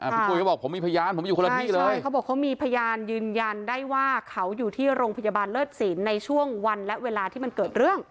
ปุ๋ยเขาบอกผมมีพยานผมอยู่คนละที่เลยใช่เขาบอกเขามีพยานยืนยันได้ว่าเขาอยู่ที่โรงพยาบาลเลิศศิลป์ในช่วงวันและเวลาที่มันเกิดเรื่อง